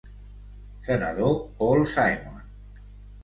Senador Paul Simon.